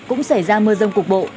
cũng xảy ra mưa rông cục bộ